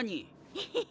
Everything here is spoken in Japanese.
ヘヘヘ。